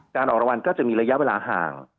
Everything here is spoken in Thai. ออกรางวัลก็จะมีระยะเวลาห่าง